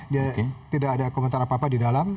dia tidak ada komentar apa apa di dalam